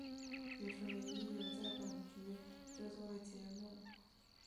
也是唯一由在阪局制作的节目。